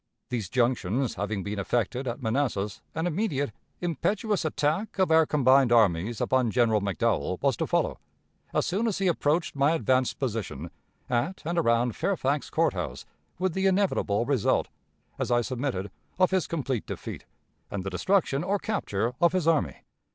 These junctions having been effected at Manassas, an immediate, impetuous attack of our combined armies upon General McDowell was to follow, as soon as he approached my advanced position, at and around Fairfax Court House, with the inevitable result, as I submitted, of his complete defeat, and the destruction or capture of his army.